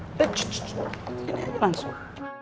ini aja langsung